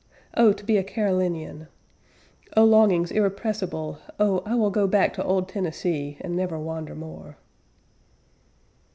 O to be a Carolinian! O longings irrepressible! O I will go back to old Tennessee and never wander more.